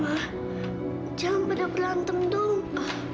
wah jangan pada berantem dong